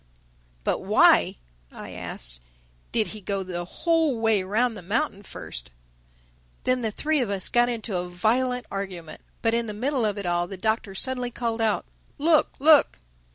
"But why," I asked, "did he go the whole way round the mountain first?" Then the three of us got into a violent argument. But in the middle of it all the Doctor suddenly called out, "Look, look!"